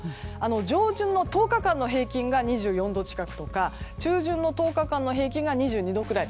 上旬の１０日間の平均が２４度近く中旬の１０日間の平均が２２度くらい。